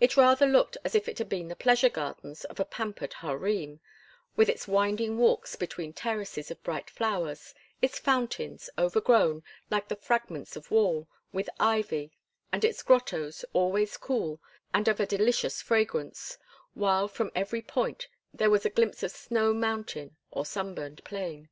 It rather looked as if it had been the pleasure gardens of a pampered harem, with its winding walks between terraces of bright flowers, its fountains, overgrown, like the fragments of wall, with ivy, and its grottos, always cool, and of a delicious fragrance; while from every point there was a glimpse of snow mountain or sunburned plain.